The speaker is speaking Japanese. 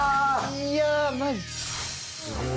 いやマジ？